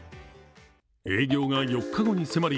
営業が４日後に迫り